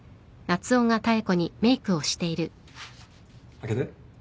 開けて。